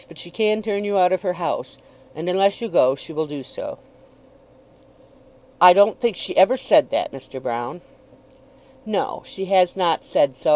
But she can turn you out of her house, and, unless you go, she will do so." "I don't think she ever said that, Mr. Broune." "No; she has not said so.